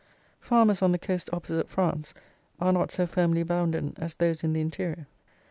Farmers on the coast opposite France are not so firmly bounden as those in the interior.